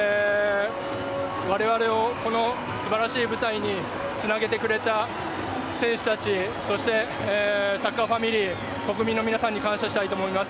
われわれをこのすばらしい舞台につなげてくれた選手たち、そしてサッカーファミリー、国民の皆さんに感謝したいと思います。